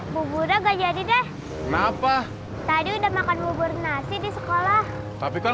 bubur gak jadi deh kenapa tadi udah makan bubur nasi di sekolah tapi kan